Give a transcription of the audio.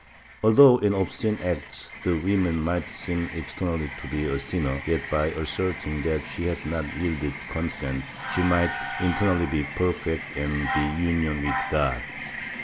Although in obscene acts the woman might seem externally to be a sinner, yet, by asserting that she had not yielded consent, she might internally be perfect and be in Union with God.